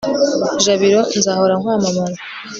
jabiro, nzahora nkwamamaza